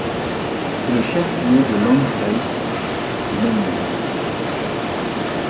C'est le chef-lieu du Landkreis du même nom.